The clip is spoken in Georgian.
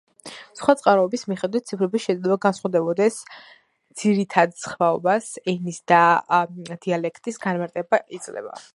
სხვა წყაროების მიხედვით ციფრები შეიძლება განსხვავდებოდეს, ძირითად სხვაობას ენის და დიალექტის განმარტება იძლევა.